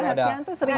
hal hal itu ya